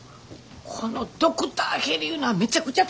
このドクターヘリいうのはめちゃくちゃ大変やねんで。